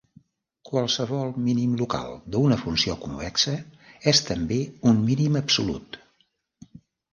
Qualsevol mínim local d'una funció convexa és també un mínim absolut.